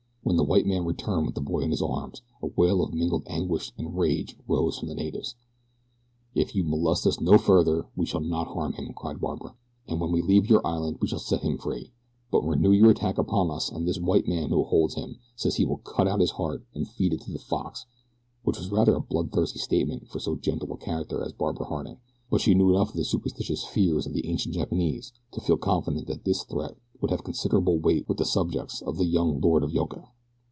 When the white man returned with the boy in his arms, a wail of mingled anguish and rage rose from the natives. "If you molest us no further we shall not harm him," cried Barbara, "and when we leave your island we shall set him free; but renew your attack upon us and this white man who holds him says that he will cut out his heart and feed it to the fox," which was rather a bloodthirsty statement for so gentle a character as Barbara Harding; but she knew enough of the superstitious fears of the ancient Japanese to feel confident that this threat would have considerable weight with the subjects of the young Lord of Yoka.